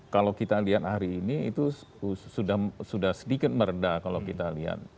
kalau kita lihat hari ini itu sudah sedikit meredah kalau kita lihat